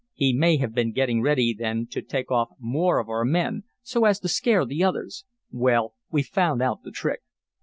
He may have been getting ready then to take off more of our men, so as to scare the others. Well, we've found out the trick."